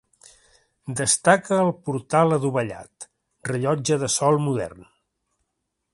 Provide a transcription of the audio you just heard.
Destaca el portal adovellat, rellotge de sol modern.